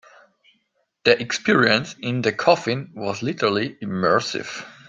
The experience in the coffin was literally immersive.